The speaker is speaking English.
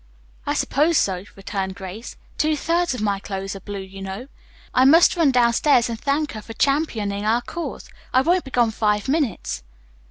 "I suppose so," returned Grace. "Two thirds of my clothes are blue, you know. I must run downstairs and thank her for championing our cause. I won't be gone five minutes."